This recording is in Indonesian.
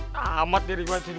tamat diri gue dari hidup gue